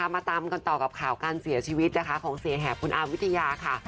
มาตามกันต่อกับข่าวการเสียชีวิตนะคะของเสียแหบคุณอามวิทยาค่ะ